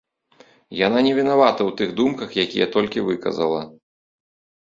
Яна не вінавата ў тых думках, якія толькі выказала.